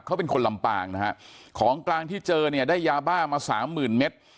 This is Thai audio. เขาเป็นคนลำปางนะฮะของกลางที่เจอเนี่ยได้ยาบ้ามาสามหมื่นเมตร